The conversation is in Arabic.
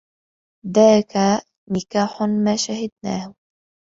ذَاكَ نِكَاحٌ مَا شَهِدْنَاهُ